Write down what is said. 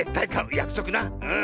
やくそくなうん。